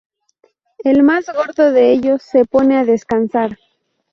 El más gordo de ellos se pone a descansar.